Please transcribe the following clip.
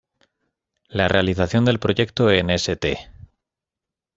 La realización del proyecto en St.